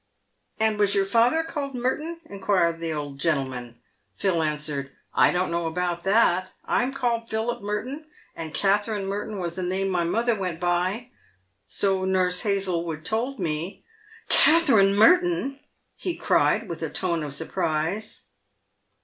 " And was your father called Merton ?" inquired the old gentleman. Phil answered, "I don't know about that. I'm called Philip Merton, and Katherine Merton was the name my mother went by — so Nurse Hazlewood told me." " Katherine Merton !" he cried, with a tone of surprise.